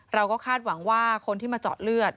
เราก็คาดหวังว่าคนที่มาเจาะเลือด